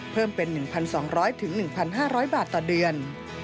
เพิ่มเป็น๑๒๐๐๑๕๐๐บาทต่อเดือน